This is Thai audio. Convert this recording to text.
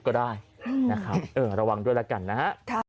ก็ได้นะครับเออระวังด้วยแล้วกันนะฮะ